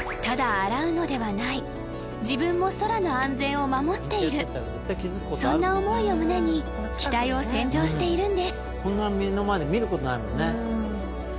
ただ洗うのではない自分も空の安全を守っているそんな思いを胸に機体を洗浄しているんですこんな目の前で見ることないもんね